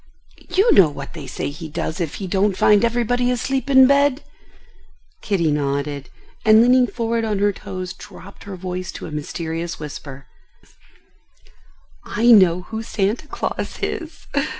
You know what they say he does if he don't find everybody asleep in bed?" Kitty nodded, and leaning forward on her toes, dropped her voice to a mysterious whisper: "I know who Santa Claus is."